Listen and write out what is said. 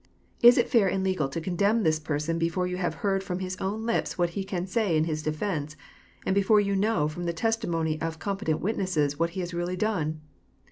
— Is it fair and legal to condemn this person before you have heard from His own lips what He can say in His defence, and before you know from the testimony of com petent witnesses what He has really done